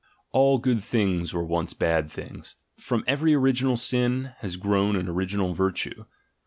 ... All good things were once bad thins;?: from every original sin has grown an original virtue.